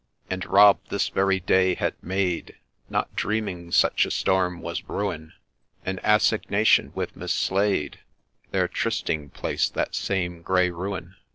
And Rob this very day had made, Not dreaming such a storm was brewing, An assignation with Miss Slade, — Their trystiag place that same grey Ruin.